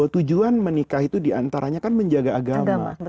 tujuan menikah itu diantaranya kan menjaga agama